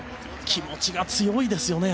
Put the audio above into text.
気持ちが強いですよね